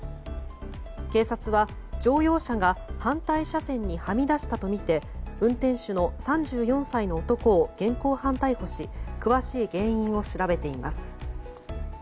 警察は乗用車が反対車線にはみ出したとみて運転手の３４歳の男を現行犯逮捕し詳しい原因を調べています。